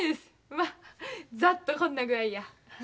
まざっとこんな具合や。